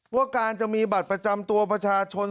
ว่าการจะมีบัตรประจำตัวประชาชน